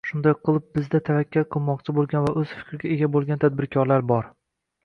Shunday qilib, sizda tavakkal qilmoqchi boʻlgan va oʻz fikriga ega boʻlgan tadbirkorlar bor